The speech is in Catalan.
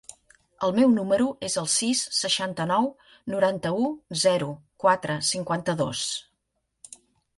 El meu número es el sis, seixanta-nou, noranta-u, zero, quatre, cinquanta-dos.